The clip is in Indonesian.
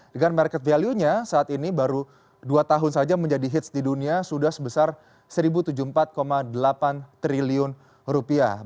dengan market value nya saat ini baru dua tahun saja menjadi hits di dunia sudah sebesar seribu tujuh puluh empat delapan triliun rupiah